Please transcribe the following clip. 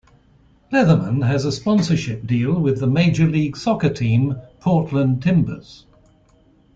Leatherman has a sponsorship deal with the Major League Soccer team Portland Timbers.